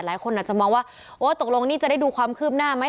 หลายคนอาจจะมองว่าโอ้ตกลงนี่จะได้ดูความคืบหน้าไหม